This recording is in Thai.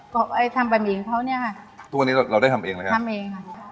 ก็ไปทำบะหมี่เขาเนี่ยค่ะทุกวันนี้เราได้ทำเองเลยครับทำเองค่ะ